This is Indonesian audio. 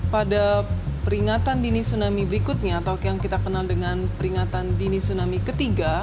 pada peringatan dini tsunami berikutnya atau yang kita kenal dengan peringatan dini tsunami ketiga